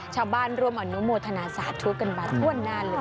ชาวบ้านร่วมอนุโมธนาศาสตร์ทุกข์กันมาถ้วนหน้าเลยค่ะ